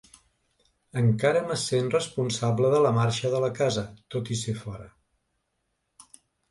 Encara me sent responsable de la marxa de la casa, tot i ser fora.